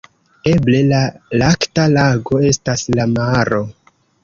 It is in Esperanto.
Eble la "Lakta Lago" estas la maro.